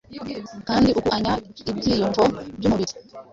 kandi akuanya ibyiyumvo byumubiri